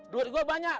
duit gua banyak